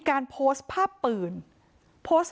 นางศรีพรายดาเสียยุ๕๑ปี